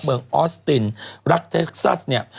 เบื้องออสตินรัฐเท็กซัสเนี่ย